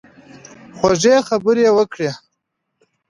خوږې خبرې وکړه.